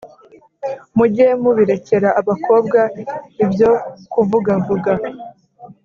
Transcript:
Muge mubirekera abakobwa ibyo kuvugavuga